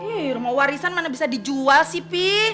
ih rumah warisan mana bisa dijual sih pi